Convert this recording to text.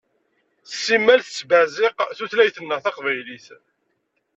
Simmal tettbeɛziq tutlayt-nneɣ taqbaylit.